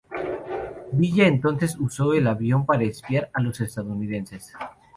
Villa entonces usó el avión para espiar a los estadounidenses.